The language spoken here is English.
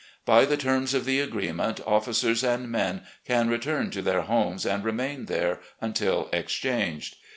By the terms of the agreement, officers and men can return to their homes and remain there until exchanged.